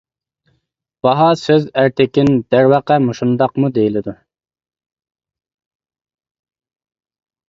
باھا سۆز ئەرتېكىن دەرۋەقە مۇشۇنداقمۇ دېيىلىدۇ.